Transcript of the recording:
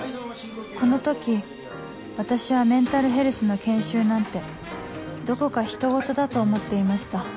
この時私はメンタルヘルスの研修なんてどこかひとごとだと思っていました